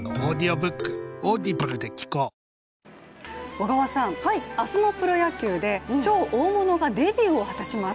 小川さん、明日のプロ野球で超大物がデビューを果たします。